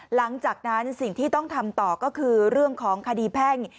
หลังจากนั้นสิ่งที่ต้องทำต่อก็คือเรื่องของคดีแพ่ง